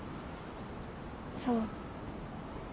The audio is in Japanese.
そう。